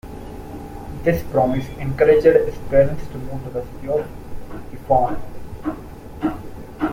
This promise encouraged his parents to move to the city of Isfahan.